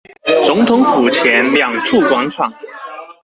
總統府前兩處廣場